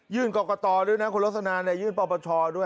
ยื่นกกตอด้วยนะคุณลดสนาเนี่ยยืนปทด้วย